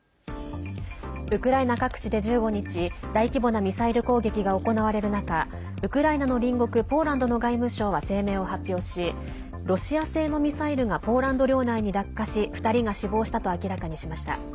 ウクライナ各地で１５日大規模なミサイル攻撃が行われる中ウクライナの隣国ポーランドの外務省は声明を発表しロシア製のミサイルがポーランド領内に落下し２人が死亡したと明らかにしました。